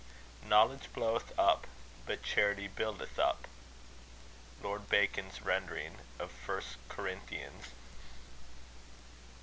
Knowledge bloweth up, but charity buildeth up. LORD BACON'S rendering of 1 Cor. viii. I.